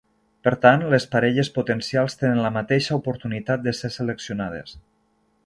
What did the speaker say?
Per tant, les parelles potencials tenen la mateixa oportunitat de ser seleccionades.